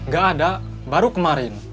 gak ada baru kemarin